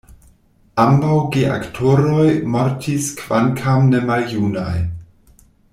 Ambaŭ geaktoroj mortis kvankam ne maljunaj.